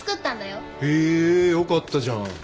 よかったじゃん。